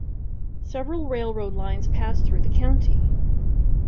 Several railroad lines pass through the county.